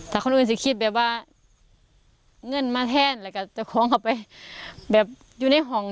ถ้าคนอื่นคิดแบบว่าเงินมาแทดเเหละกับจะคล้องไปแบบอยู่ในห่อง